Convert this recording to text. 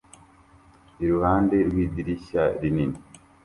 iruhande rwidirishya rinini